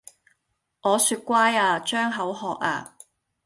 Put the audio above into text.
我說乖呀！張口喝呀